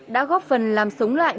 đã góp phần làm sống lại